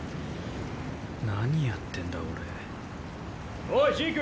何やってんだ俺・おいジーク！